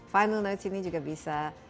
final notes ini juga bisa